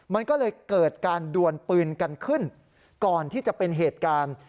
มันก็เลยเกิดการดวนปืนกันขึ้นก่อนที่จะเป็นเหตุการณ์